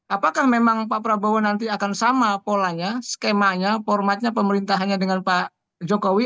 apakah memang pak prabowo nanti akan sama polanya skemanya formatnya pemerintahannya dengan pak jokowi